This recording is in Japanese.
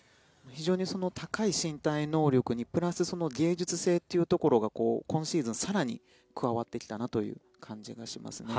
非常に高い身体能力にプラス芸術性というところが今シーズン更に加わってきたなという感じがしますね。